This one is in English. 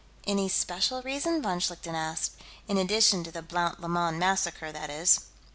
"Any special reason?" von Schlichten asked. "In addition to the Blount Lemoyne massacre, that is?"